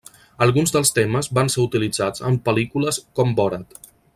Alguns dels temes van ser utilitzats en pel·lícules com Borat.